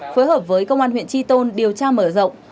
phối hợp với công an huyện tri tôn điều tra mở rộng